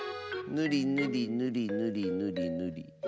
ぬりぬりぬりぬりぬりぬり